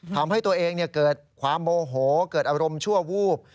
ทำให้ตัวเองเกิดความโมโหเกิดอารมณ์ชั่ววูบ